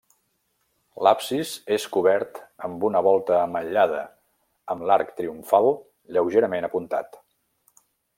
L'absis és cobert amb una volta ametllada, amb l'arc triomfal lleugerament apuntat.